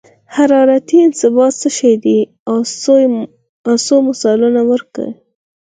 حرارتي انبساط څه شی دی او څو مثالونه ورکړئ.